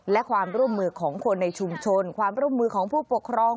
และความร่วมมือของคนในชุมชนความร่วมมือของผู้ปกครอง